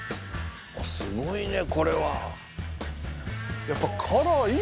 すごいねこれは。